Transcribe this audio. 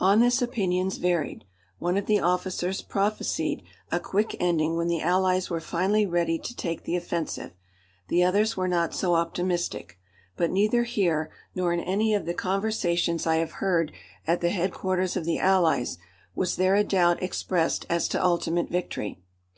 On this opinions varied. One of the officers prophesied a quick ending when the Allies were finally ready to take the offensive. The others were not so optimistic. But neither here, nor in any of the conversations I have heard at the headquarters of the Allies, was there a doubt expressed as to ultimate victory.